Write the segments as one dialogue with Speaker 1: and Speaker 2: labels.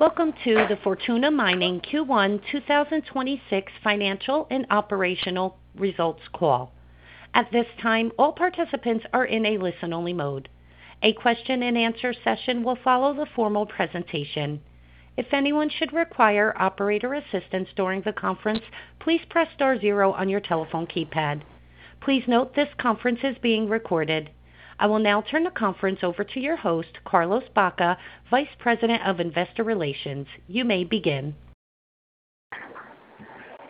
Speaker 1: Welcome to the Fortuna Mining Q1 2026 Financial and Operational Results Call. At this time, all participants are in a listen-only mode. A question-and-answer session will follow the formal presentation. If anyone should require operator assistance during the conference, please press star zero on your telephone keypad. Please note this conference is being recorded. I will now turn the conference over to your host, Carlos Baca, Vice President of Investor Relations. You may begin.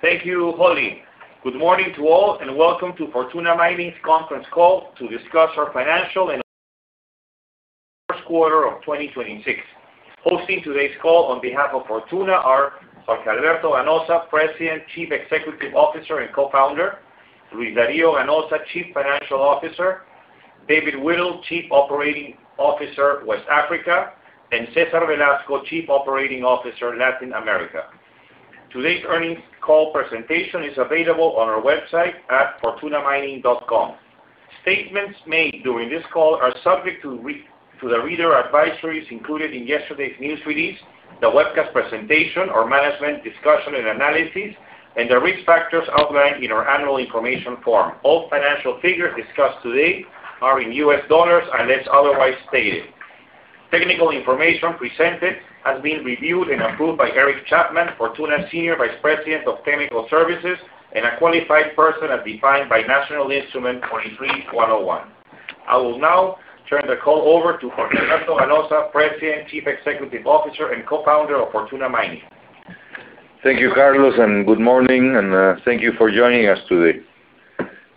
Speaker 2: Thank you, Holly. Good morning to all, and welcome to Fortuna Mining's conference call to discuss our financial and first quarter of 2026. Hosting today's call on behalf of Fortuna are Jorge A. Ganoza, President, Chief Executive Officer, and Co-founder. Luis D. Ganoza, Chief Financial Officer. David Whittle, Chief Operating Officer, West Africa. Cesar Velasco, Chief Operating Officer, Latin America. Today's earnings call presentation is available on our website at fortunamining.com. Statements made during this call are subject to the reader advisories included in yesterday's news release, the webcast presentation or management discussion and analysis, and the risk factors outlined in our annual information form. All financial figures discussed today are in US dollars unless otherwise stated. Technical information presented has been reviewed and approved by Eric Chapman, Fortuna Senior Vice President of Technical Services, and a qualified person as defined by National Instrument 43-101. I will now turn the call over to Jorge A. Ganoza, President, Chief Executive Officer, and Co-founder of Fortuna Mining.
Speaker 3: Thank you, Carlos, and good morning, and thank you for joining us today.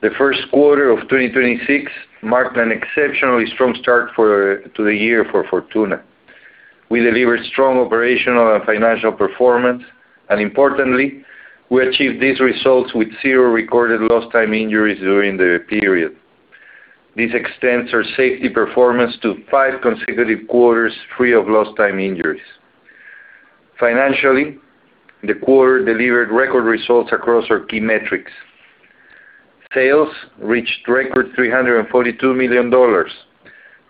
Speaker 3: The first quarter of 2026 marked an exceptionally strong start to the year for Fortuna. We delivered strong operational and financial performance. Importantly, we achieved these results with zero recorded Lost Time Injuries during the period. This extends our safety performance to five consecutive quarters free of Lost Time Injuries. Financially, the quarter delivered record results across our key metrics. Sales reached record $342 million,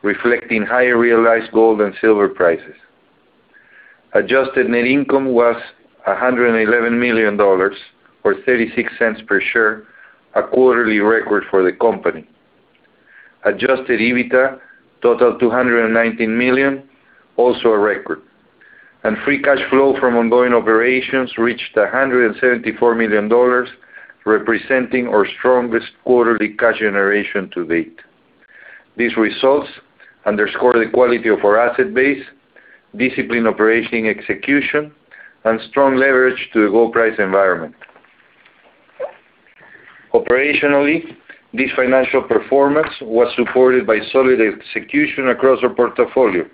Speaker 3: reflecting higher realized gold and silver prices. Adjusted net income was $111 million or $0.36 per share, a quarterly record for the company. Adjusted EBITDA totaled $219 million, also a record. Free cash flow from ongoing operations reached $174 million, representing our strongest quarterly cash generation to date. These results underscore the quality of our asset base, disciplined operating execution, and strong leverage to the gold price environment. Operationally, this financial performance was supported by solid execution across our portfolio.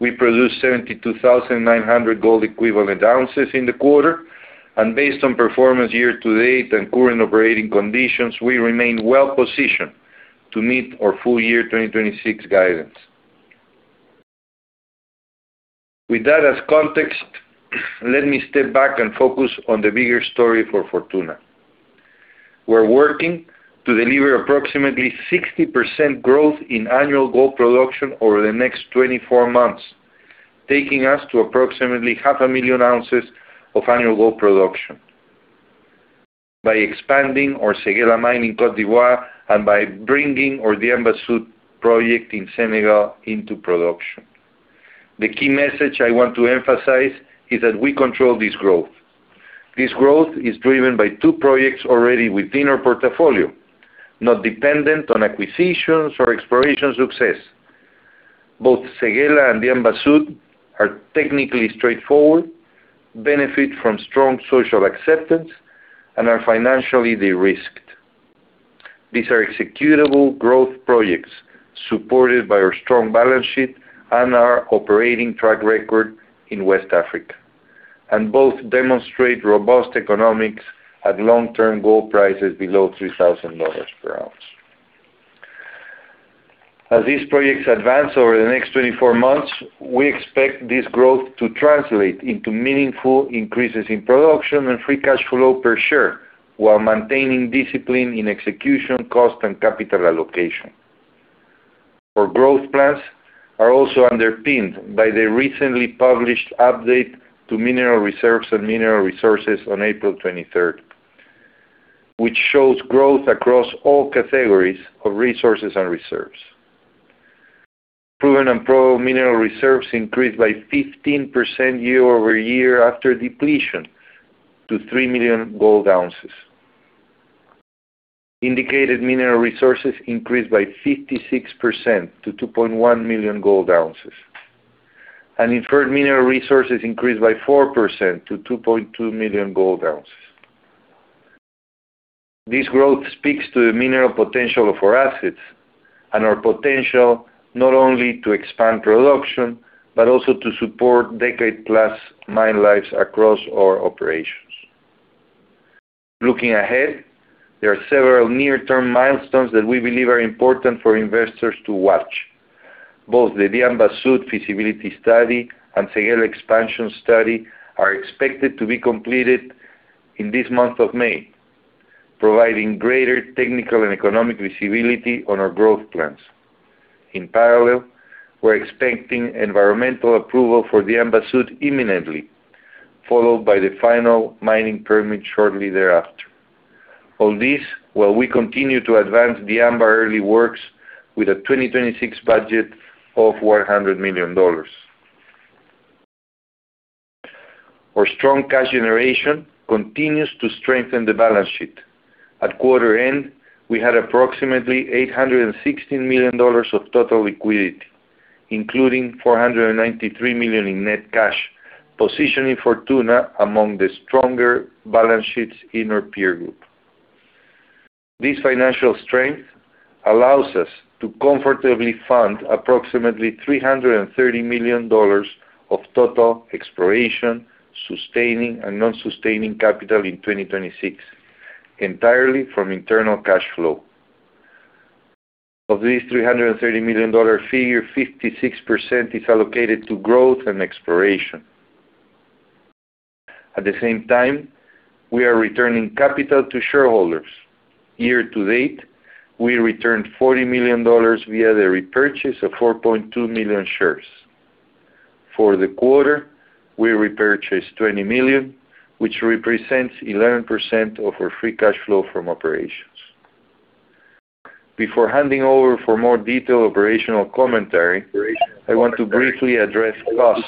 Speaker 3: We produced 72,900 gold equivalent ounces in the quarter, and based on performance year to date and current operating conditions, we remain well-positioned to meet our full year 2026 guidance. With that as context, let me step back and focus on the bigger story for Fortuna. We're working to deliver approximately 60% growth in annual gold production over the next 24 months, taking us to approximately half a million ounces of annual gold production by expanding our Séguéla mine in Côte d'Ivoire and by bringing our Diamba Sud project in Senegal into production. The key message I want to emphasize is that we control this growth. This growth is driven by two projects already within our portfolio, not dependent on acquisitions or exploration success. Both Séguéla and Diamba Sud are technically straightforward, benefit from strong social acceptance, and are financially de-risked. These are executable growth projects supported by our strong balance sheet and our operating track record in West Africa, and both demonstrate robust economics at long-term gold prices below $3,000 per ounce. As these projects advance over the next 24 months, we expect this growth to translate into meaningful increases in production and free cash flow per share while maintaining discipline in execution, cost, and capital allocation. Our growth plans are also underpinned by the recently published update to mineral reserves and mineral resources on April 23rd, which shows growth across all categories of resources and reserves. Proven and probable mineral reserves increased by 15% year-over-year after depletion to 3 million gold ounces. Indicated mineral resources increased by 56% to 2.1 million gold ounces. Inferred mineral resources increased by 4% to 2.2 million gold ounces. This growth speaks to the mineral potential of our assets and our potential not only to expand production, but also to support decade-plus mine lives across our operations. Looking ahead, there are several near-term milestones that we believe are important for investors to watch. Both the Diamba Sud feasibility study and Séguéla expansion study are expected to be completed in this month of May, providing greater technical and economic visibility on our growth plans. In parallel, we're expecting environmental approval for the Diamba Sud imminently, followed by the final mining permit shortly thereafter. All this while we continue to advance Diamba Sud early works with a 2026 budget of $100 million. Our strong cash generation continues to strengthen the balance sheet. At quarter end, we had approximately $816 million of total liquidity, including $493 million in net cash, positioning Fortuna among the stronger balance sheets in our peer group. This financial strength allows us to comfortably fund approximately $330 million of total exploration, sustaining and non-sustaining capital in 2026 entirely from internal cash flow. Of these $330 million figure, 56% is allocated to growth and exploration. At the same time, we are returning capital to shareholders. Year to date, we returned $40 million via the repurchase of 4.2 million shares. For the quarter, we repurchased $20 million, which represents 11% of our free cash flow from operations. Before handing over for more detailed operational commentary, I want to briefly address costs.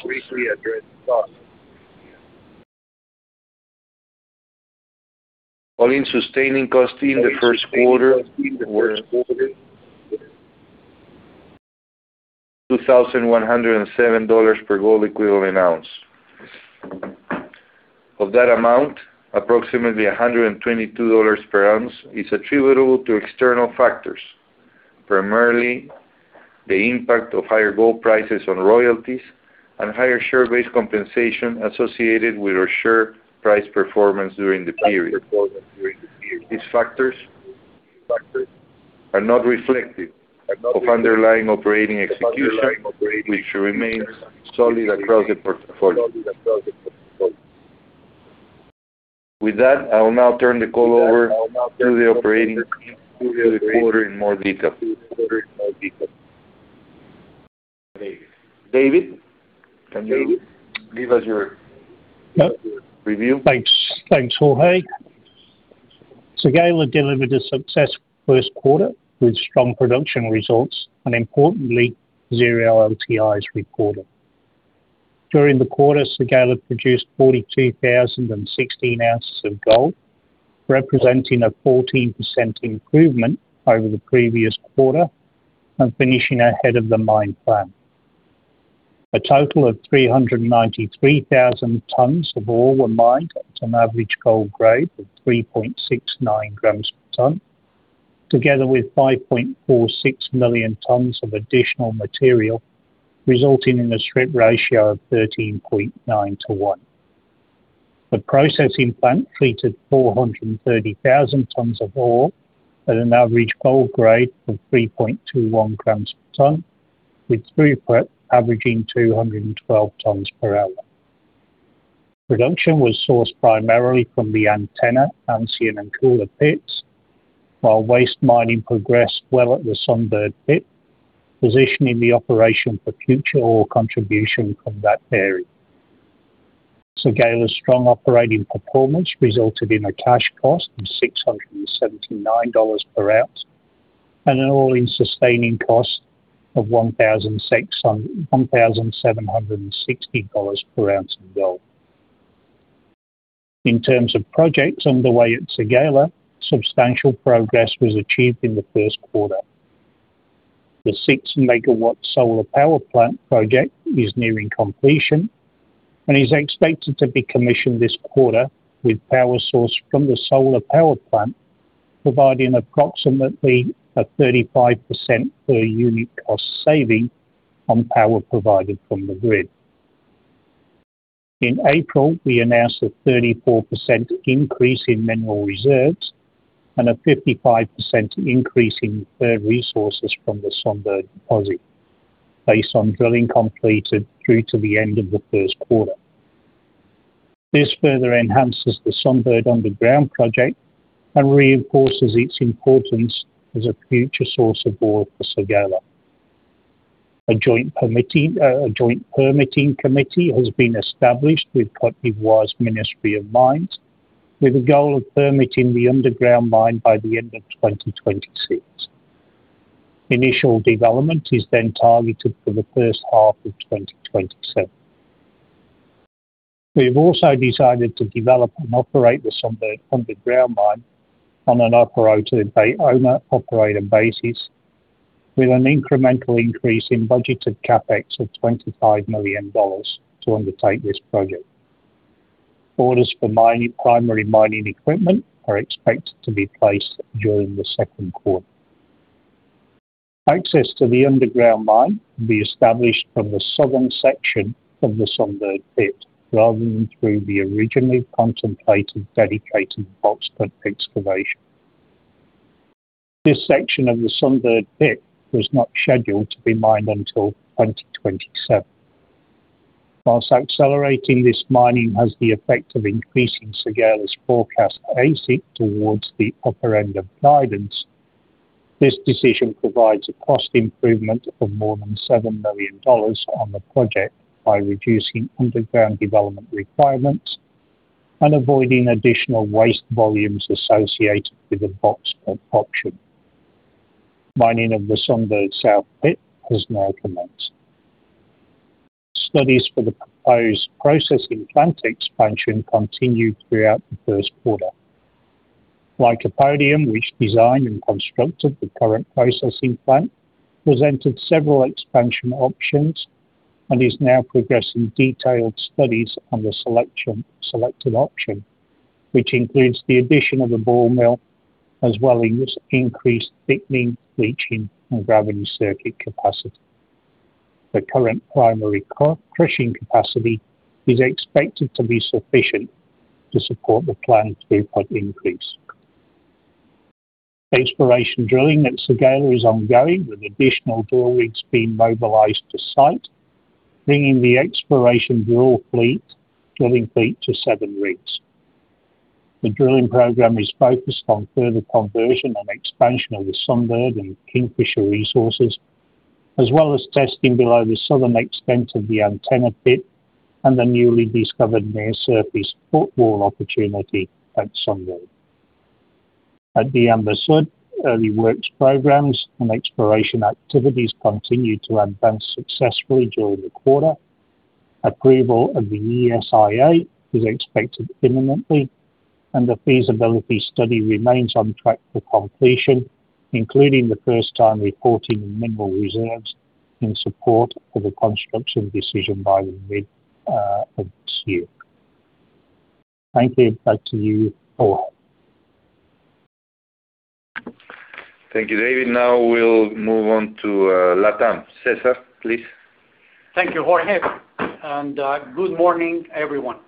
Speaker 3: All-in Sustaining Costs in the first quarter were $2,107 per gold equivalent ounce. Of that amount, approximately $122 per ounce is attributable to external factors, primarily the impact of higher gold prices on royalties and higher share-based compensation associated with our share price performance during the period. These factors are not reflective of underlying operating execution, which remains solid across the portfolio. With that, I will now turn the call over to the operating team for the quarter in more detail. David, can you give us your-
Speaker 4: Yep.
Speaker 3: -review?
Speaker 4: Thanks. Thanks, Jorge. Séguéla delivered a successful first quarter with strong production results and importantly, zero LTIs reported. During the quarter, Séguéla produced 42,016 ounces of gold, representing a 14% improvement over the previous quarter and finishing ahead of the mine plan. A total of 393,000 tons of ore were mined at an average gold grade of 3.69 grams per ton, together with 5.46 million tons of additional material, resulting in a strip ratio of 13.9 to 1. The processing plant treated 430,000 tons of ore at an average gold grade of 3.21 grams per ton, with throughput averaging 212 tons per hour. Production was sourced primarily from the Antenna, Ancien, and Koula pits, while waste mining progressed well at the Sunbird pit, positioning the operation for future ore contribution from that area. Séguéla's strong operating performance resulted in a cash cost of $679 per ounce and an all-in sustaining cost of $1,760 per ounce of gold. In terms of projects underway at Séguéla, substantial progress was achieved in the first quarter. The six-megawatt solar power plant project is nearing completion and is expected to be commissioned this quarter, with power sourced from the solar power plant, providing approximately a 35% per unit cost saving on power provided from the grid. In April, we announced a 34% increase in mineral reserves and a 55% increase in the resources from the Sunbird deposit based on drilling completed through to the end of the first quarter. This further enhances the Sunbird underground project and reinforces its importance as a future source of ore for Séguéla. A joint permitting committee has been established with Côte d'Ivoire's Ministry of Mines, with a goal of permitting the underground mine by the end of 2026. Initial development is targeted for the first half of 2027. We've also decided to develop and operate the Sunbird underground mine on an owner/operator basis, with an incremental increase in budgeted CapEx of $25 million to undertake this project. Orders for primary mining equipment are expected to be placed during the second quarter. Access to the underground mine will be established from the southern section of the Sunbird pit, rather than through the originally contemplated dedicated box cut excavation. This section of the Sunbird pit was not scheduled to be mined until 2027. Whilst accelerating this mining has the effect of increasing Séguéla's forecast AISC towards the upper end of guidance, this decision provides a cost improvement of more than $7 million on the project by reducing underground development requirements and avoiding additional waste volumes associated with the box pit option. Mining of the Sunbird South pit has now commenced. Studies for the proposed processing plant expansion continued throughout the first quarter. Lycopodium, which designed and constructed the current processing plant, presented several expansion options and is now progressing detailed studies on the selected option, which includes the addition of a ball mill as well as increased thickening, leaching and gravity circuit capacity. The current primary crushing capacity is expected to be sufficient to support the planned throughput increase. Exploration drilling at Séguéla is ongoing, with additional drill rigs being mobilized to site, bringing the exploration drilling fleet to seven rigs. The drilling program is focused on further conversion and expansion of the Sunbird and Kingfisher resources, as well as testing below the southern extent of the Antenna pit and the newly discovered near-surface footwall opportunity at Sunbird. At Diamba Sud, early works programs and exploration activities continued to advance successfully during the quarter. Approval of the ESIA is expected imminently, and the feasibility study remains on track for completion, including the first time reporting of mineral reserves in support of a construction decision by the mid of this year. Thank you. Back to you, Jorge.
Speaker 3: Thank you, David. Now we'll move on to LATAM. Cesar, please.
Speaker 5: Thank you, Jorge. Good morning, everyone.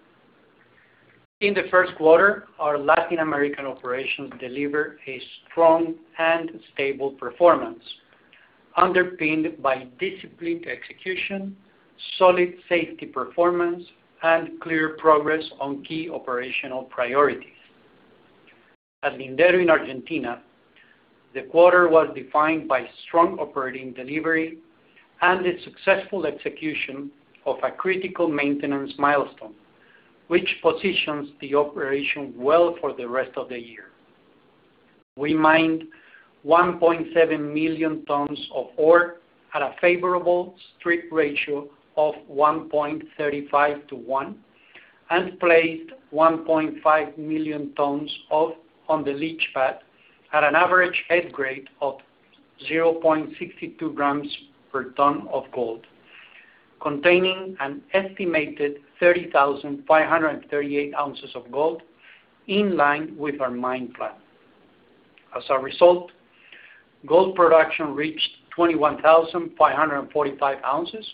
Speaker 5: In the first quarter, our Latin American operations delivered a strong and stable performance, underpinned by disciplined execution, solid safety performance, and clear progress on key operational priorities. At Lindero in Argentina, the quarter was defined by strong operating delivery and the successful execution of a critical maintenance milestone, which positions the operation well for the rest of the year. We mined 1.7 million tons of ore at a favorable strip ratio of 1.35 to 1 and placed 1.5 million tons on the leach pad at an average head grade of 0.62 grams per ton of gold, containing an estimated 30,538 ounces of gold, in line with our mine plan. As a result, gold production reached 21,545 ounces,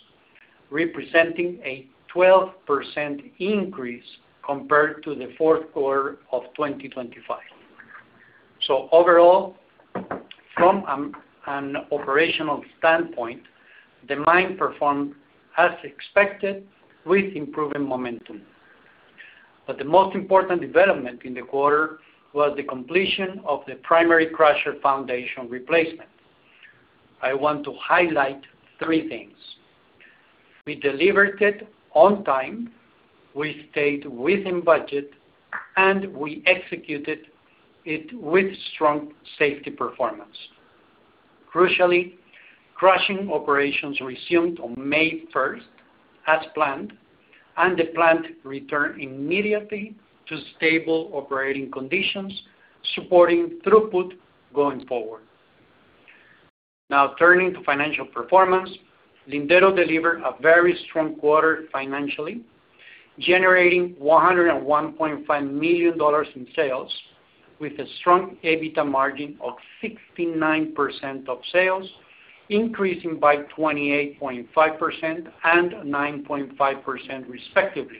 Speaker 5: representing a 12% increase compared to the Q4 2025. Overall, from an operational standpoint, the mine performed as expected with improving momentum. The most important development in the quarter was the completion of the primary crusher foundation replacement. I want to highlight three things. We delivered it on time, we stayed within budget, and we executed it with strong safety performance. Crucially, crushing operations resumed on May 1 as planned, and the plant returned immediately to stable operating conditions, supporting throughput going forward. Turning to financial performance, Lindero delivered a very strong quarter financially, generating $101.5 million in sales with a strong EBITDA margin of 69% of sales, increasing by 28.5% and 9.5% respectively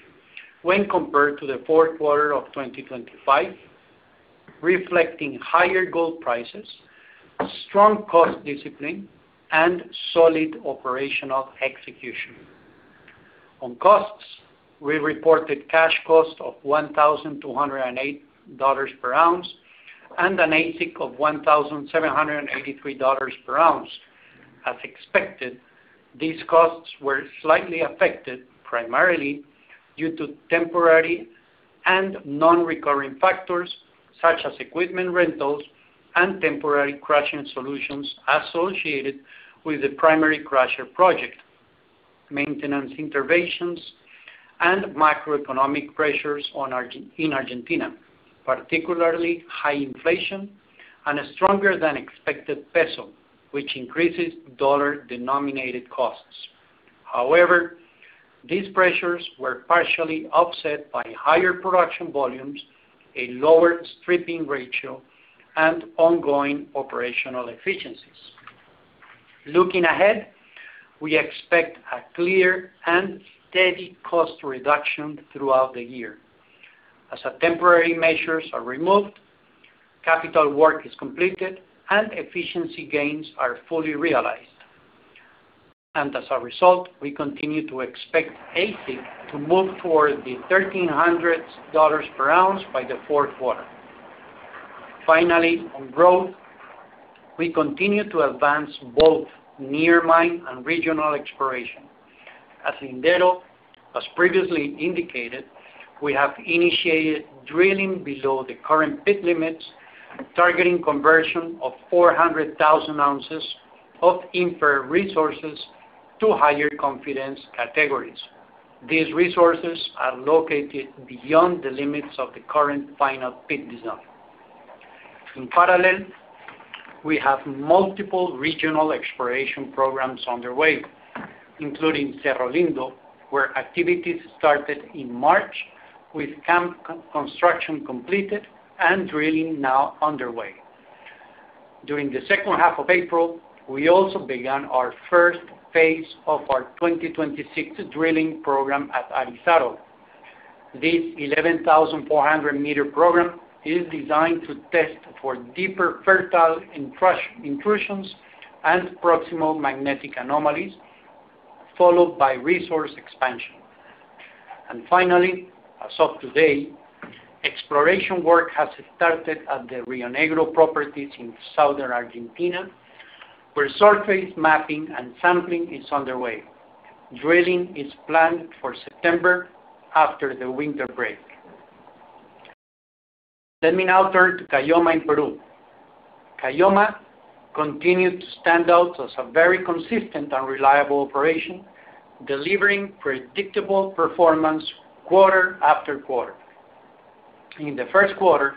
Speaker 5: when compared to the fourth quarter of 2025, reflecting higher gold prices, strong cost discipline, and solid operational execution. On costs, we reported cash cost of $1,208 per ounce and an AISC of $1,783 per ounce. As expected, these costs were slightly affected primarily due to temporary and non-recurring factors such as equipment rentals and temporary crushing solutions associated with the primary crusher project, maintenance interventions, and macroeconomic pressures in Argentina, particularly high inflation and a stronger than expected peso, which increases dollar-denominated costs. However, these pressures were partially offset by higher production volumes, a lower stripping ratio, and ongoing operational efficiencies. Looking ahead, we expect a clear and steady cost reduction throughout the year. As our temporary measures are removed, capital work is completed, and efficiency gains are fully realized. As a result, we continue to expect AISC to move toward the $1,300 per ounce by the fourth quarter. Finally, on growth, we continue to advance both near mine and regional exploration. At Lindero, as previously indicated, we have initiated drilling below the current pit limits, targeting conversion of 400,000 ounces of inferred resources to higher confidence categories. These resources are located beyond the limits of the current final pit design. In parallel, we have multiple regional exploration programs underway, including Cerro Lindo, where activities started in March with camp construction completed and drilling now underway. During the 2nd half of April, we also began our first phase of our 2026 drilling program at Arizaro. This 11,400 meter program is designed to test for deeper fertile intrusions and proximal magnetic anomalies, followed by resource expansion. Finally, as of today, exploration work has started at the Rio Negro properties in Southern Argentina, where surface mapping and sampling is underway. Drilling is planned for September after the winter break. Let me now turn to Caylloma in Peru. Caylloma continued to stand out as a very consistent and reliable operation, delivering predictable performance quarter after quarter. In the first quarter,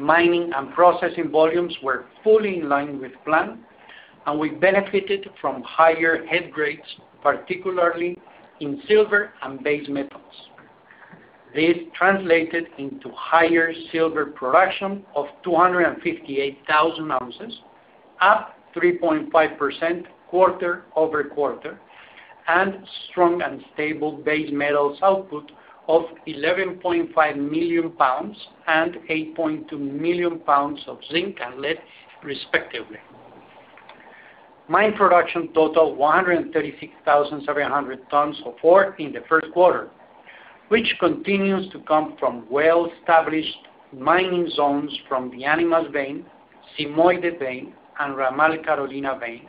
Speaker 5: mining and processing volumes were fully in line with plan, and we benefited from higher head grades, particularly in silver and base metals. This translated into higher silver production of 258,000 ounces, up 3.5% quarter-over-quarter, and strong and stable base metals output of 11.5 million pounds and 8.2 million pounds of zinc and lead, respectively. Mine production totaled 136,700 tons of ore in the first quarter, which continues to come from well-established mining zones from the Animas vein, Simoide vein, and Ramal Carolina vein,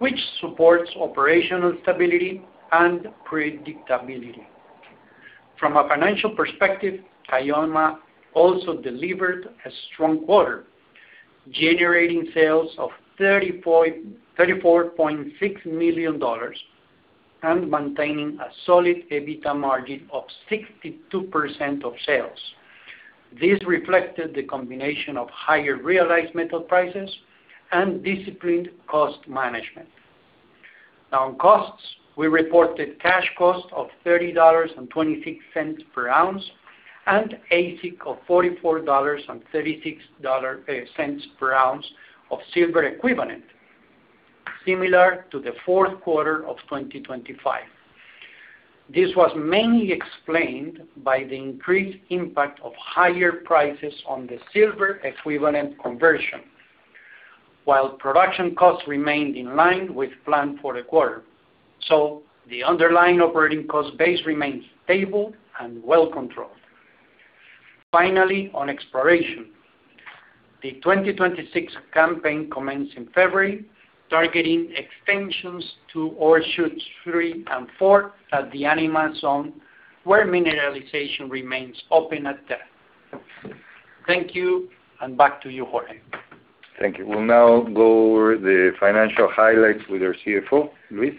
Speaker 5: which supports operational stability and predictability. From a financial perspective, Caylloma also delivered a strong quarter, generating sales of $34.6 million and maintaining a solid EBITDA margin of 62% of sales. This reflected the combination of higher realized metal prices and disciplined cost management. On costs, we reported cash cost of $30.26 per ounce and AISC of $44.36 per ounce of silver equivalent, similar to the fourth quarter of 2025. This was mainly explained by the increased impact of higher prices on the silver-equivalent conversion, while production costs remained in line with plan for the quarter. The underlying operating cost base remains stable and well-controlled. Finally, on exploration. The 2026 campaign commenced in February, targeting extensions to ore shoots three and four at the Animas zone, where mineralization remains open at depth. Thank you, and back to you, Jorge.
Speaker 3: Thank you. We'll now go over the financial highlights with our CFO, Luis.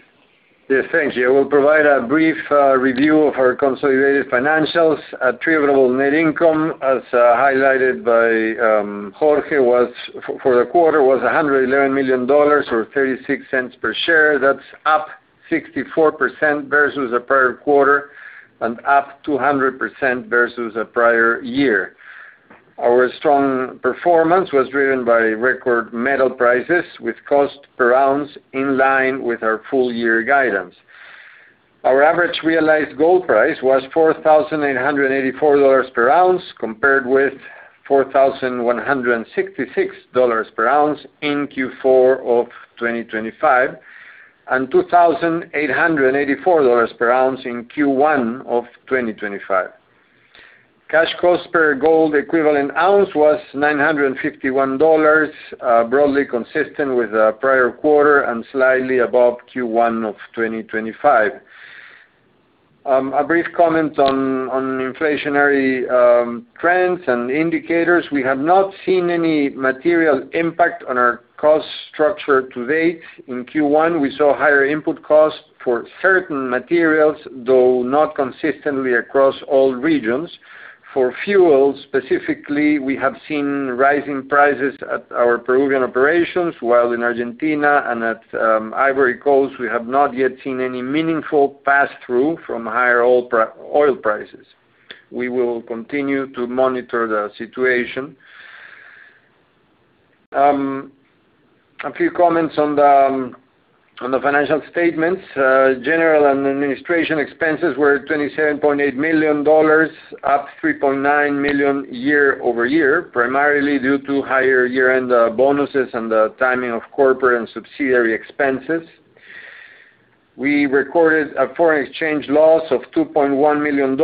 Speaker 6: Yes, thank you. I will provide a brief review of our consolidated financials. Attributable net income, as highlighted by Jorge, for the quarter, was $111 million or $0.36 per share. That's up 64% versus the prior quarter and up 200% versus the prior year. Our strong performance was driven by record metal prices with cost per ounce in line with our full year guidance. Our average realized gold price was $4,884 per ounce, compared with $4,166 per ounce in Q4 of 2025, and $2,884 per ounce in Q1 of 2025. Cash cost per gold equivalent ounce was $951, broadly consistent with the prior quarter and slightly above Q1 of 2025. A brief comment on inflationary trends and indicators. We have not seen any material impact on our cost structure to date. In Q1, we saw higher input costs for certain materials, though not consistently across all regions. For fuel specifically, we have seen rising prices at our Peruvian operations, while in Argentina and at Ivory Coast, we have not yet seen any meaningful pass-through from higher oil prices. We will continue to monitor the situation. A few comments on the financial statements. General and administration expenses were $27.8 million, up $3.9 million year-over-year, primarily due to higher year-end bonuses and the timing of corporate and subsidiary expenses. We recorded a foreign exchange loss of $2.1 million,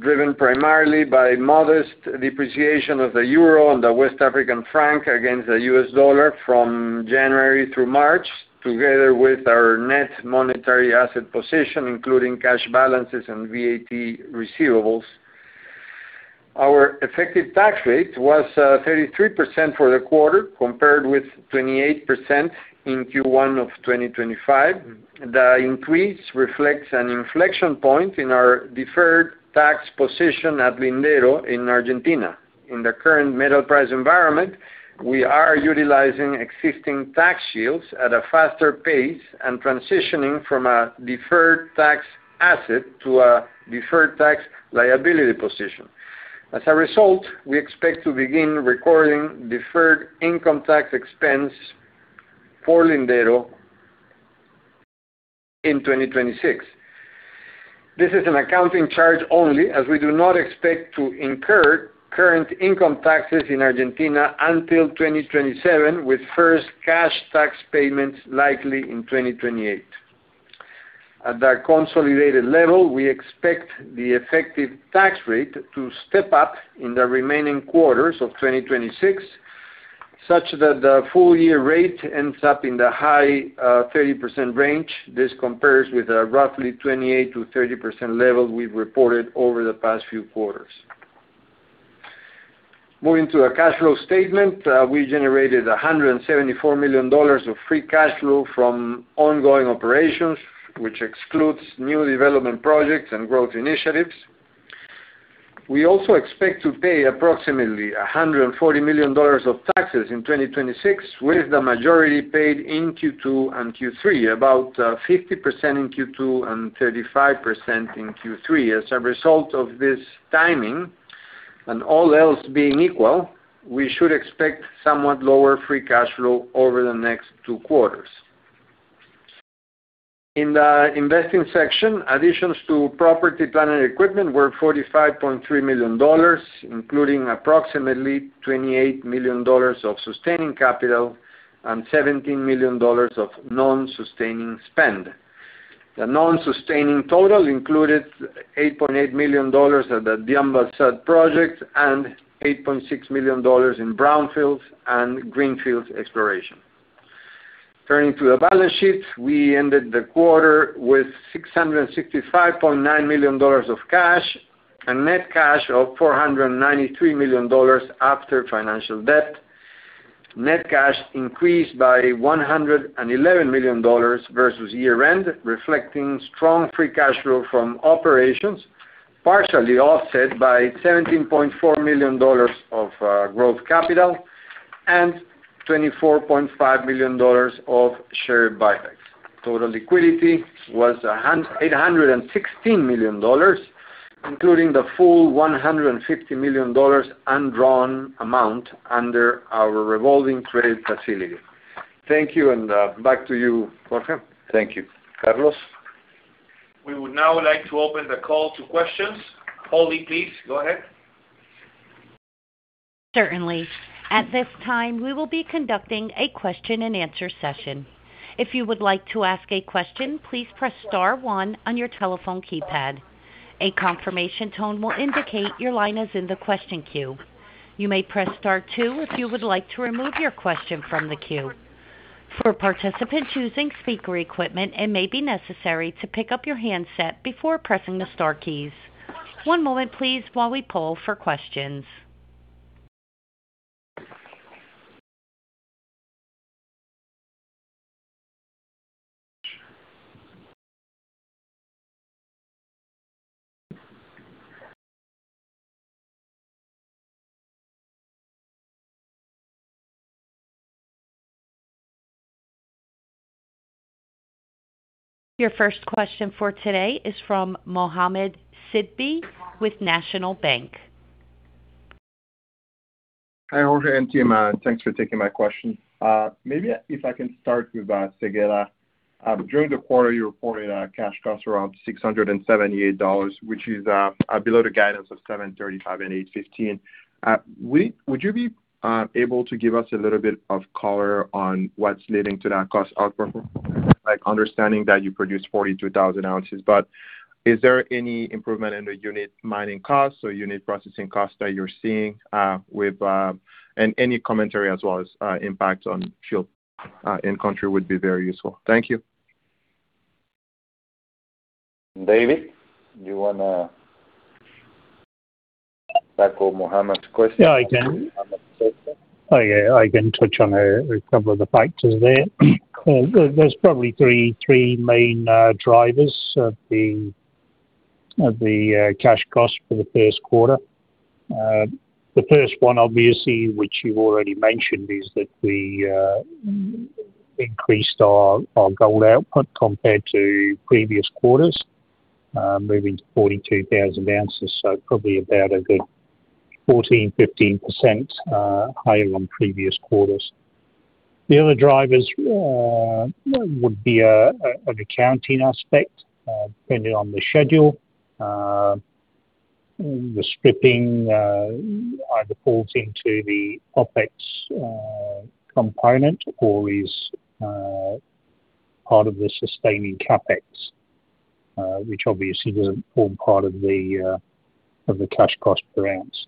Speaker 6: driven primarily by modest depreciation of the euro and the West African franc against the US dollar from January through March, together with our net monetary asset position, including cash balances and VAT receivables. Our effective tax rate was 33% for the quarter, compared with 28% in Q1 of 2025. The increase reflects an inflection point in our deferred tax position at Lindero in Argentina. In the current metal price environment, we are utilizing existing tax shields at a faster pace and transitioning from a deferred tax asset to a deferred tax liability position. As a result, we expect to begin recording deferred income tax expense for Lindero in 2026. This is an accounting charge only, as we do not expect to incur current income taxes in Argentina until 2027, with first cash tax payments likely in 2028. At the consolidated level, we expect the effective tax rate to step up in the remaining quarters of 2026, such that the full year rate ends up in the high 30% range. This compares with a roughly 28%-30% level we've reported over the past few quarters. Moving to our cash flow statement. We generated $174 million of free cash flow from ongoing operations, which excludes new development projects and growth initiatives. We also expect to pay approximately $140 million of taxes in 2026, with the majority paid in Q2 and Q3, about 50% in Q2 and 35% in Q3. As a result of this timing, all else being equal, we should expect somewhat lower free cash flow over the next two quarters. In the investing section, additions to property, plant, and equipment were $45.3 million, including approximately $28 million of sustaining capital and $17 million of non-sustaining spend. The non-sustaining total included $8.8 million at the Diamba Sud project and $8.6 million in brownfields and greenfields exploration. Turning to the balance sheet, we ended the quarter with $665.9 million of cash and net cash of $493 million after financial debt. Net cash increased by $111 million versus year-end, reflecting strong free cash flow from operations, partially offset by $17.4 million of growth capital and $24.5 million of share buybacks. Total liquidity was $816 million, including the full $150 million undrawn amount under our revolving credit facility. Thank you, back to you, Jorge.
Speaker 3: Thank you, Carlos.
Speaker 2: We would now like to open the call to questions. Holly, please go ahead.
Speaker 1: Certainly. At this time, we will be conducting a question and answer session. One moment, please, while we poll for questions. Your first question for today is from Mohamed Sidibé with National Bank.
Speaker 7: Hi, Jorge and team. Thanks for taking my question. Maybe if I can start with Séguéla. During the quarter, you reported cash cost around $678, which is below the guidance of $735 and $815. Would you be able to give us a little bit of color on what's leading to that cost outperform? Like, understanding that you produced 42,000 ounces, but is there any improvement in the unit mining costs or unit processing costs that you're seeing, with any commentary as well as impact on yield in country would be very useful. Thank you.
Speaker 3: David, do you wanna tackle Mohamed's question?
Speaker 4: Yeah, I can. Yeah, I can touch on a couple of the factors there. There's probably 3 main drivers of the cash cost for the first quarter. The first one obviously, which you've already mentioned, is that we increased our gold output compared to previous quarters, moving to 42,000 ounces, so probably about a good 14%, 15% higher than previous quarters. The other drivers would be an accounting aspect, depending on the schedule. The stripping either falls into the Opex component or is part of the sustaining CapEx, which obviously doesn't form part of the cash cost per ounce.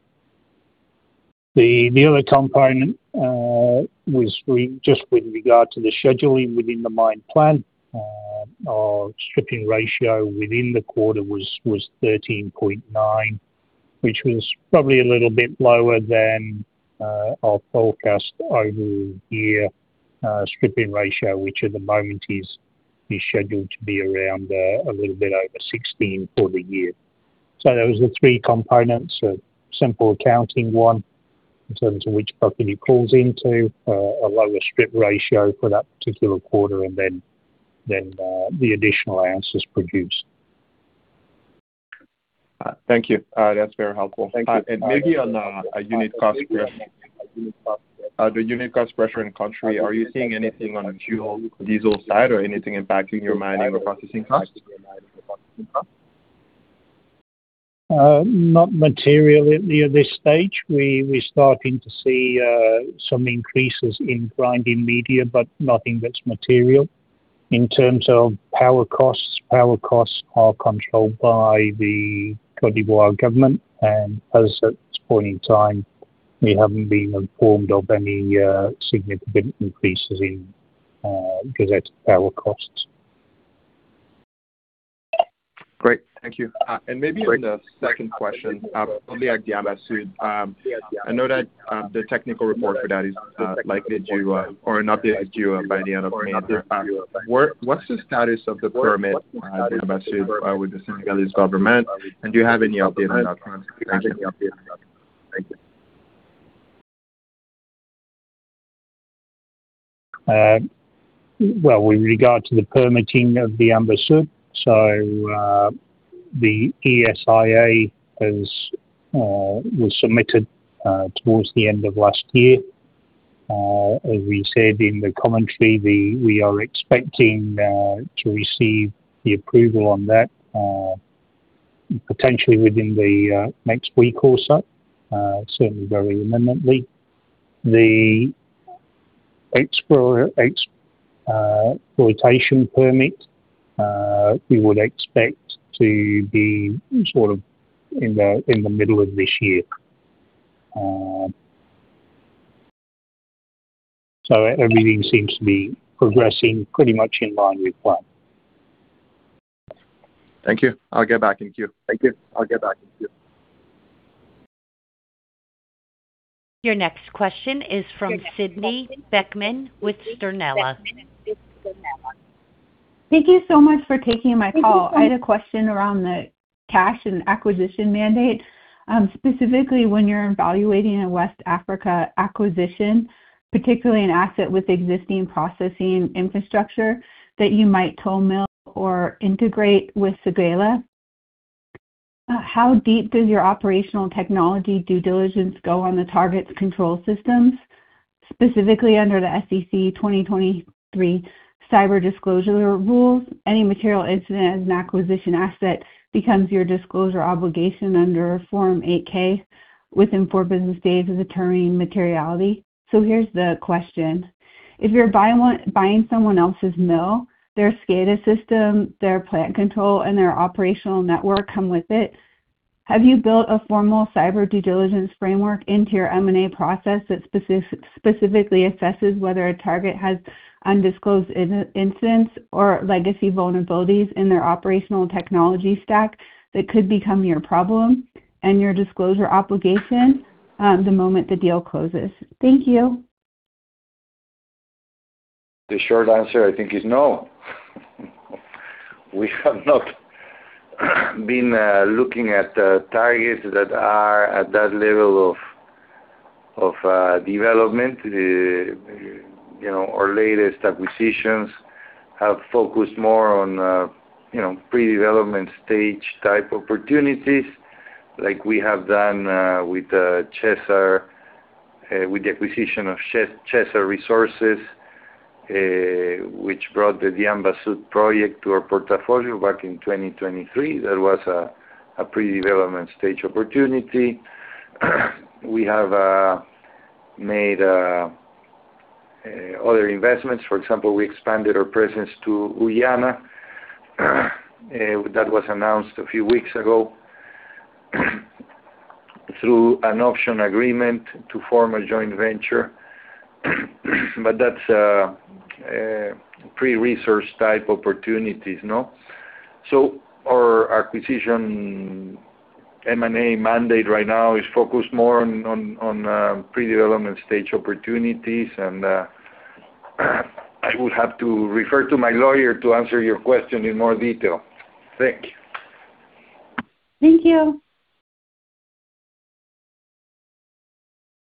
Speaker 4: The other component was just with regard to the scheduling within the mine plan. Our stripping ratio within the quarter was 13.9, which was probably a little bit lower than our forecast over year stripping ratio, which at the moment is scheduled to be around a little bit over 16 for the year. Those are the three components. A simple accounting one in terms of which bucket it falls into, a lower strip ratio for that particular quarter and then the additional ounces produced.
Speaker 7: Thank you. That's very helpful.
Speaker 4: Thank you.
Speaker 7: Maybe on a unit cost pressure, the unit cost pressure in country, are you seeing anything on the fuel, diesel side or anything impacting your mining or processing costs?
Speaker 4: Not materially at this stage. We're starting to see some increases in grinding media, but nothing that's material. In terms of power costs, power costs are controlled by the Côte d'Ivoire government and as at this point in time, we haven't been informed of any significant increases in gazette power costs.
Speaker 7: Great. Thank you. Maybe on the second question, on the Diamba Sud. I know that the technical report for that is likely due, or an update is due by the end of May. What's the status of the permit, Diamba Sud, with the Senegalese government? Do you have any update on that front? Thank you.
Speaker 4: Well, with regard to the permitting of Diamba Sud. The ESIA was submitted towards the end of last year. As we said in the commentary, we are expecting to receive the approval on that, potentially within the next week or so. Certainly very imminently. The exploitation permit, we would expect to be sort of in the middle of this year. Everything seems to be progressing pretty much in line with plan.
Speaker 7: Thank you. I'll get back in queue.
Speaker 1: Your next question is from Sydney Beckman with Sternella.
Speaker 8: Thank you so much for taking my call. I had a question around the cash and acquisition mandate. Specifically when you're evaluating a West Africa acquisition, particularly an asset with existing processing infrastructure that you might toll mill or integrate with Séguéla. How deep does your operational technology due diligence go on the targets control systems? Specifically under the SEC 2023 cyber disclosure rules, any material incident as an acquisition asset becomes your disclosure obligation under Form 8-K within four business days of determining materiality. Here's the question. If you're buying someone else's mill, their SCADA system, their plant control and their operational network come with it. Have you built a formal cyber due diligence framework into your M&A process that specifically assesses whether a target has undisclosed in-instance or legacy vulnerabilities in their operational technology stack that could become your problem and your disclosure obligation the moment the deal closes? Thank you.
Speaker 3: The short answer I think is no. We have not been looking at targets that are at that level of development. You know, our latest acquisitions have focused more on, you know, pre-development stage type opportunities like we have done with Chesser, with the acquisition of Chesser Resources, which brought the Diamba Sud project to our portfolio back in 2023. That was a pre-development stage opportunity. We have made other investments. For example, we expanded our presence to Guyana, that was announced a few weeks ago, through an option agreement to form a joint venture. That's pre-research type opportunities. No? Our acquisition M&A mandate right now is focused more on pre-development stage opportunities. I would have to refer to my lawyer to answer your question in more detail. Thank you.
Speaker 8: Thank you.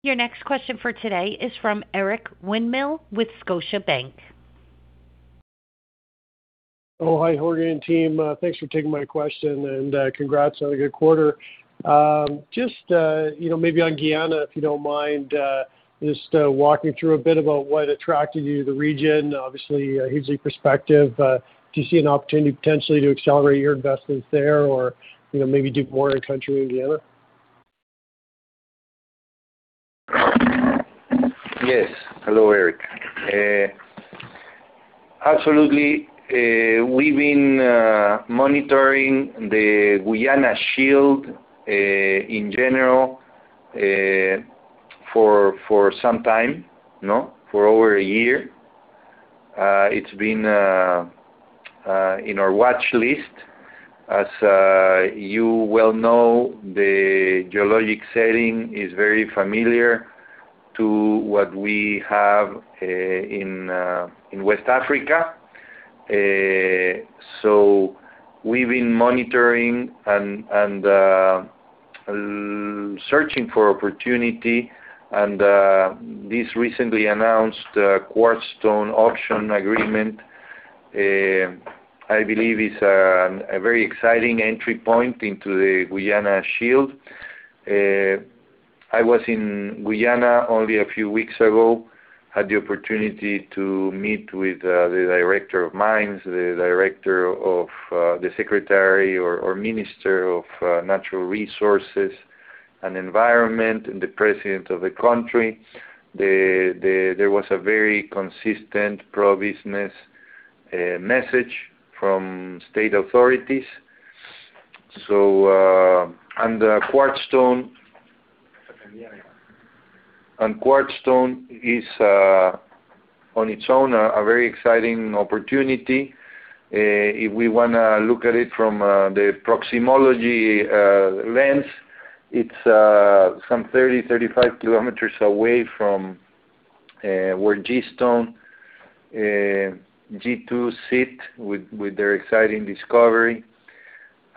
Speaker 1: Your next question for today is from Eric Winmill with Scotiabank.
Speaker 9: Hi, Jorge and team. Thanks for taking my question, and congrats on a good quarter. Just, you know, maybe on Guyana, if you don't mind, just walking through a bit about what attracted you to the region. Obviously, a hugely prospective. Do you see an opportunity potentially to accelerate your investments there or, you know, maybe do more in country Guyana?
Speaker 3: Yes. Hello, Eric. absolutely. We've been monitoring the Guyana Shield in general for some time. No? For over a year. It's been in our watch list. As you well know, the geologic setting is very familiar to what we have in West Africa. We've been monitoring and searching for opportunity and this recently announced Quartzstone option agreement, I believe is a very exciting entry point into the Guyana Shield. I was in Guyana only a few weeks ago. Had the opportunity to meet with the director of mines, the director of the secretary or minister of natural resources and environment, and the president of the country. There was a very consistent pro-business message from state authorities. Quartzstone is on its own a very exciting opportunity. If we wanna look at it from the proximity lens, it's some 30-35 kilometers away from where G2 Goldfields sit with their exciting discovery.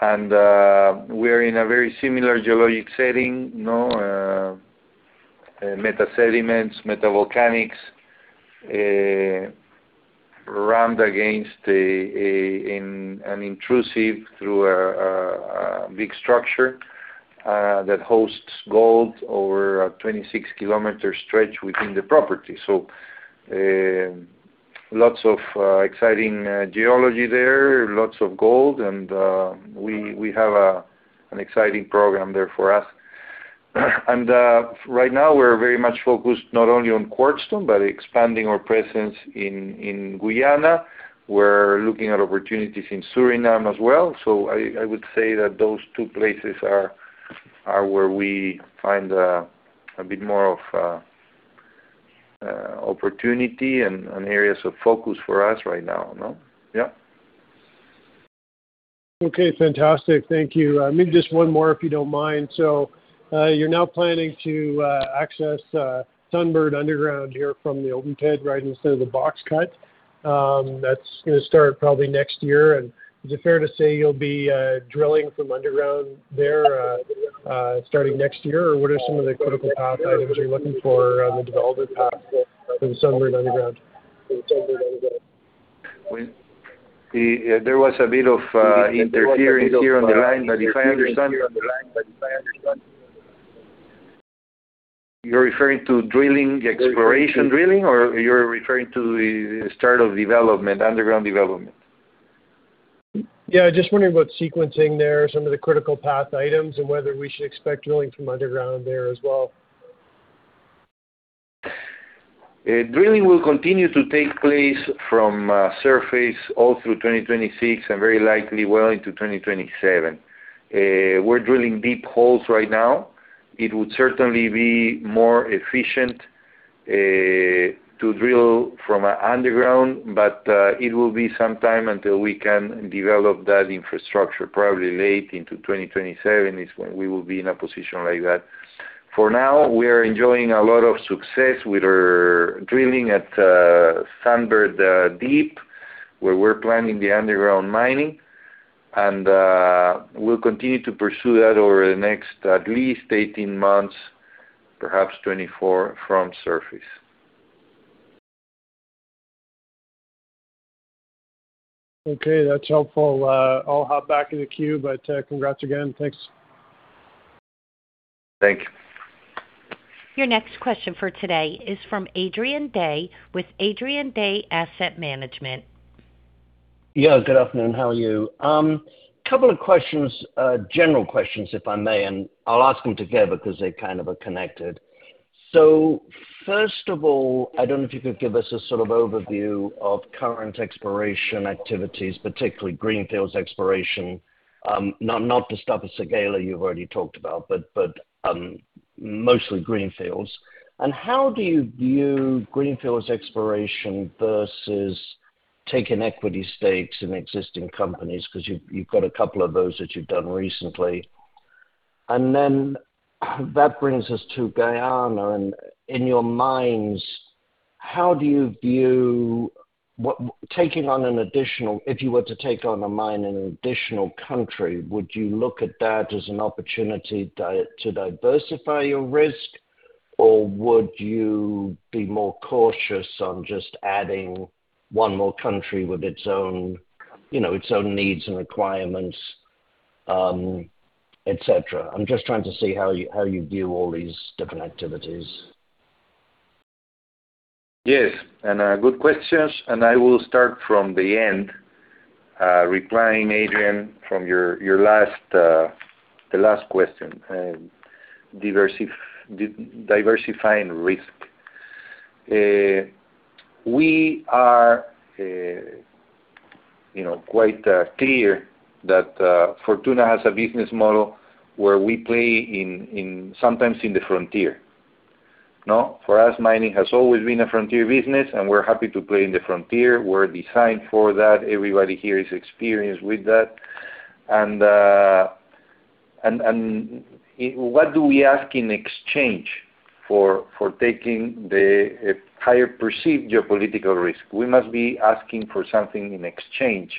Speaker 3: We're in a very similar geologic setting. No? Meta sediments, meta volcanics, rammed against an intrusive through a big structure that hosts gold over a 26-kilometer stretch within the property. Lots of exciting geology there, lots of gold, and we have an exciting program there for us. Right now we're very much focused not only on Quartzstone, but expanding our presence in Guyana. We're looking at opportunities in Suriname as well. I would say that those two places are where we find a bit more of opportunity and areas of focus for us right now. No? Yeah.
Speaker 9: Okay. Fantastic. Thank you. Maybe just one more if you don't mind. You're now planning to access Sunbird underground here from the open pit right instead of the box cut. That's gonna start probably next year. Is it fair to say you'll be drilling from underground there starting next year? Or what are some of the critical path items you're looking for on the development path for the Sunbird underground?
Speaker 3: There was a bit of interference here on the line. If I understand, you're referring to drilling exploration drilling or you're referring to the start of development, underground development?
Speaker 9: Yeah, just wondering about sequencing there, some of the critical path items, and whether we should expect drilling from underground there as well.
Speaker 3: Drilling will continue to take place from surface all through 2026 and very likely well into 2027. We're drilling deep holes right now. It would certainly be more efficient to drill from an underground, but it will be some time until we can develop that infrastructure. Probably late into 2027 is when we will be in a position like that. For now, we are enjoying a lot of success with our drilling at Sunbird deep, where we're planning the underground mining. We'll continue to pursue that over the next at least 18 months, perhaps 24 from surface.
Speaker 9: Okay. That's helpful. I'll hop back in the queue, but, congrats again. Thanks.
Speaker 3: Thank you.
Speaker 1: Your next question for today is from Adrian Day with Adrian Day Asset Management.
Speaker 10: Yeah. Good afternoon. How are you? Couple of questions, general questions, if I may, and I'll ask them together because they kind of are connected. First of all, I don't know if you could give us a sort of overview of current exploration activities, particularly greenfields exploration. Not to stop at Séguéla, you've already talked about, mostly greenfields. How do you view greenfields exploration versus taking equity stakes in existing companies? 'Cause you've got a couple of those that you've done recently. That brings us to Guyana. In your minds, how do you view If you were to take on a mine in an additional country, would you look at that as an opportunity to diversify your risk? Would you be more cautious on just adding 1 more country with its own, you know, its own needs and requirements, et cetera? I'm just trying to see how you, how you view all these different activities.
Speaker 3: Yes, good questions. I will start from the end, replying, Adrian, from your last, the last question, diversifying risk. We are, you know, quite clear that Fortuna has a business model where we play in sometimes in the frontier. Now, for us, mining has always been a frontier business, and we're happy to play in the frontier. We're designed for that. Everybody here is experienced with that. What do we ask in exchange for taking the higher perceived geopolitical risk? We must be asking for something in exchange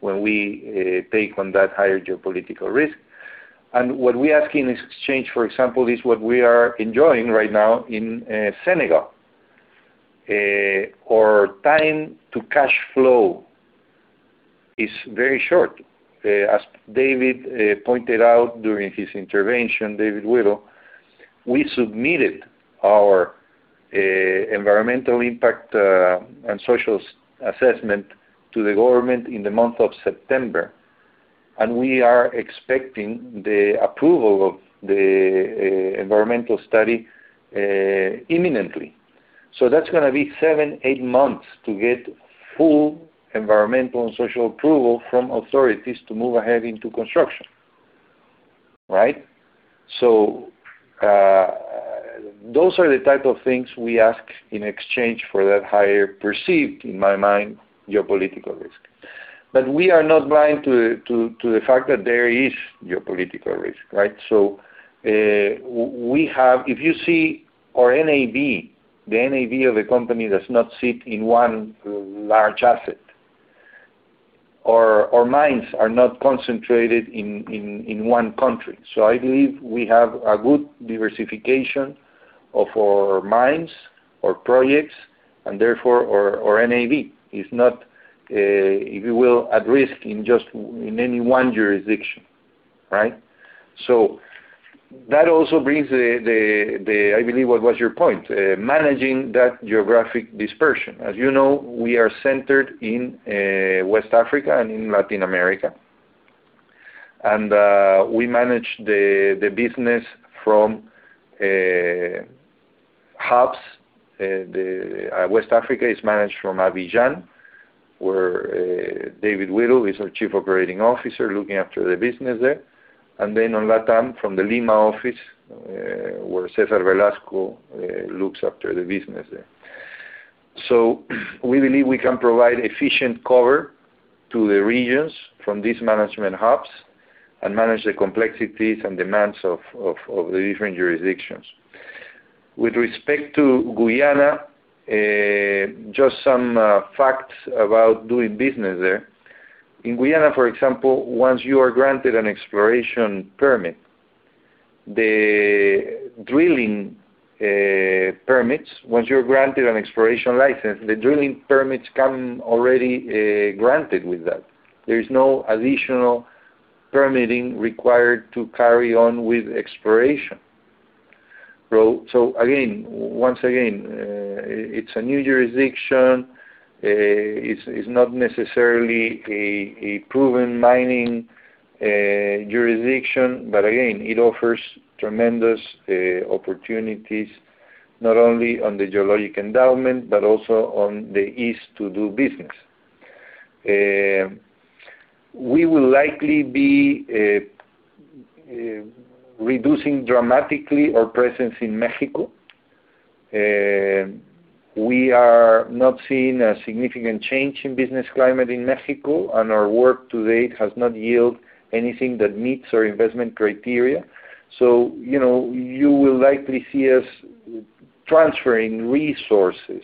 Speaker 3: when we take on that higher geopolitical risk. What we ask in exchange, for example, is what we are enjoying right now in Senegal. Our time to cash flow is very short. As David pointed out during his intervention, David Whittle, we submitted our environmental impact and social assessment to the government in the month of September. We are expecting the approval of the environmental study imminently. That is going to be seven, eight months to get full environmental and social approval from authorities to move ahead into construction. Right? Those are the type of things we ask in exchange for that higher perceived, in my mind, geopolitical risk. We are not blind to the fact that there is geopolitical risk, right? If you see our NAV, the NAV of the company does not sit in one large asset, or our mines are not concentrated in 1 country. I believe we have a good diversification of our mines or projects and therefore our NAV is not, if you will, at risk in just in any one jurisdiction, right? That also brings the I believe what was your point, managing that geographic dispersion. As you know, we are centered in West Africa and in Latin America. We manage the business from hubs. The West Africa is managed from Abidjan, where David Whittle is our Chief Operating Officer looking after the business there. Then on LATAM from the Lima office, where Cesar Velasco looks after the business there. We believe we can provide efficient cover to the regions from these management hubs and manage the complexities and demands of the different jurisdictions. With respect to Guyana, just some facts about doing business there. In Guyana, for example, once you are granted an exploration license, the drilling permits come already granted with that. There is no additional permitting required to carry on with exploration. Once again, it's a new jurisdiction. It's not necessarily a proven mining jurisdiction. Again, it offers tremendous opportunities, not only on the geologic endowment, but also on the ease to do business. We will likely be reducing dramatically our presence in Mexico. We are not seeing a significant change in business climate in Mexico, and our work to date has not yielded anything that meets our investment criteria. You know, you will likely see us transferring resources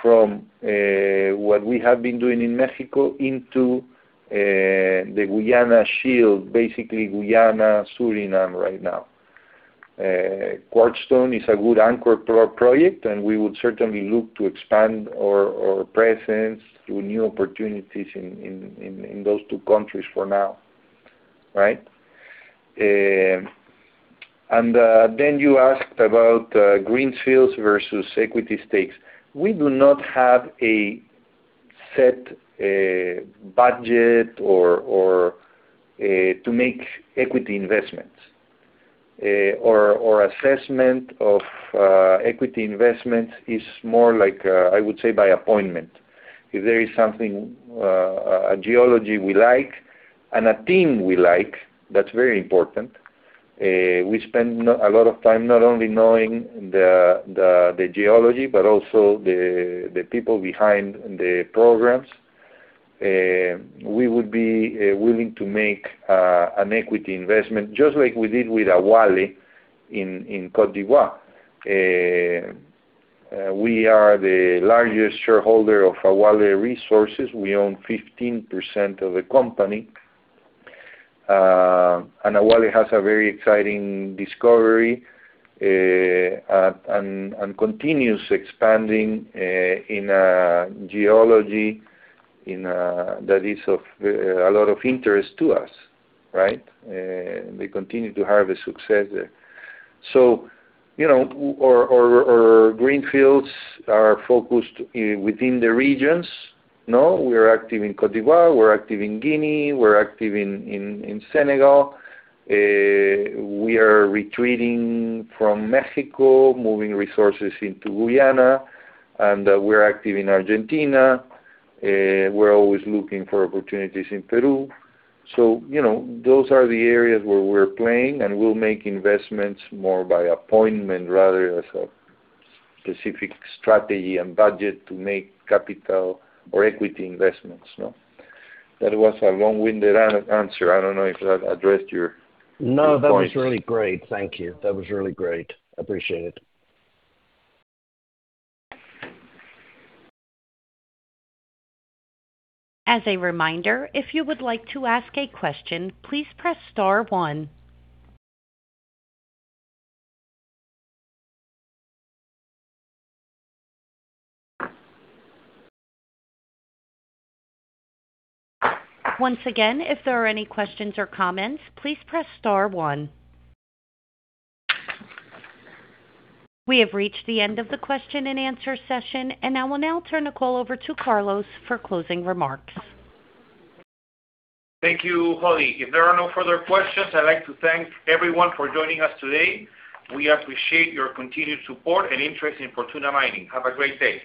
Speaker 3: from what we have been doing in Mexico into the Guyana Shield, basically Guyana, Suriname right now. Quartzstone is a good anchor project, and we would certainly look to expand our presence through new opportunities in those 2 countries for now, right? You asked about greenfields versus equity stakes. We do not have a set budget or to make equity investments. Our assessment of equity investment is more like I would say by appointment. If there is something, a geology we like and a team we like, that's very important. We spend a lot of time not only knowing the geology, but also the people behind the programs. We would be willing to make an equity investment just like we did with Awalé in Côte d'Ivoire. We are the largest shareholder of Awalé Resources. We own 15% of the company. Awalé has a very exciting discovery and continues expanding in geology that is of a lot of interest to us, right? They continue to have success there. You know, our greenfields are focused within the regions. Now, we are active in Côte d'Ivoire, we're active in Guinea, we're active in Senegal. We are retreating from Mexico, moving resources into Guyana, we're active in Argentina. We're always looking for opportunities in Peru. You know, those are the areas where we're playing, and we'll make investments more by appointment rather as a specific strategy and budget to make capital or equity investments, you know. That was a long-winded answer. I don't know if that addressed your point.
Speaker 10: No, that was really great. Thank you. That was really great. Appreciate it.
Speaker 1: As a reminder, if you would like to ask a question, please press star 1. Once again, if there are any questions or comments, please press star one. We have reached the end of the question and answer session, and I will now turn the call over to Carlos for closing remarks.
Speaker 2: Thank you, Holly. If there are no further questions, I'd like to thank everyone for joining us today. We appreciate your continued support and interest in Fortuna Mining. Have a great day.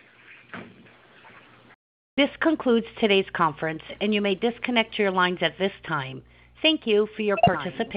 Speaker 1: This concludes today's conference, and you may disconnect your lines at this time. Thank you for your participation.